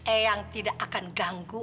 eyang tidak akan ganggu